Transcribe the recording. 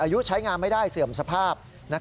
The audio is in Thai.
อายุใช้งานไม่ได้เสื่อมสภาพ